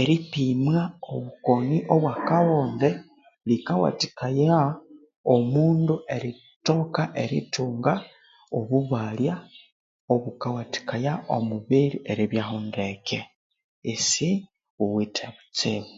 Eripimwa obukoni obwa akabonde rikawathikaya omundu erithoka erithunga obubalya obukawathikaya omubiri eribyaho ndeke isyawithe butsibu.